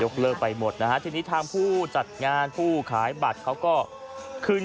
เลิกไปหมดนะฮะทีนี้ทางผู้จัดงานผู้ขายบัตรเขาก็คือ